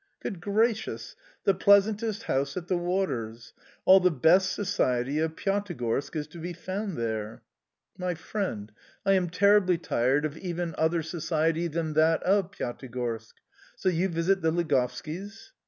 "Good gracious! The pleasantest house at the waters! All the best society of Pyatigorsk is to be found there"... "My friend, I am terribly tired of even other society than that of Pyatigorsk. So you visit the Ligovskis?"